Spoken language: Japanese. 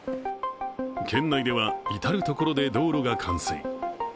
県内では至る所で道路が冠水。